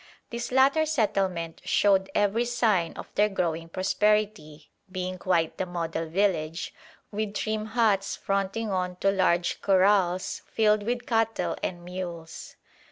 This latter settlement showed every sign of their growing prosperity, being quite the model village, with trim huts fronting on to large corrals filled with cattle and mules.